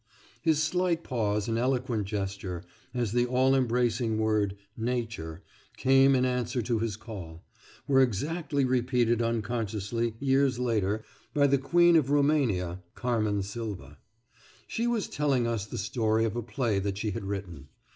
His slight pause and eloquent gesture, as the all embracing word "nature" came in answer to his call, were exactly repeated unconsciously, years later, by the Queen of Roumania (Carmen Sylva). She was telling us the story of a play that she had written.